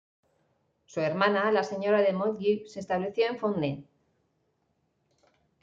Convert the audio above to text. Su hermana, la señora de Montagu, se estableció en Fontenay.